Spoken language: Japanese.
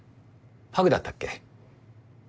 パグだったっけ。